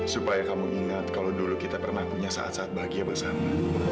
supaya kamu ingat kalau dulu kita pernah punya saat saat bahagia bersama